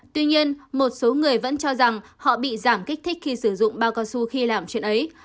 tuy nhiên một số người vẫn cho rằng họ bị giảm kích thích khi sử dụng bao cao su khi làm chuyện ấy